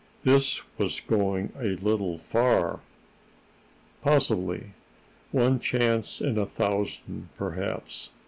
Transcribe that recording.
This was going a little far. "Possibly. One chance in a thousand, perhaps.